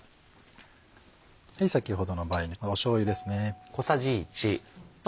先ほどの梅肉にしょうゆですね。